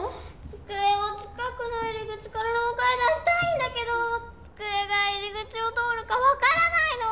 つくえを近くの入り口からろうかへ出したいんだけどつくえが入り口を通るかわからないの！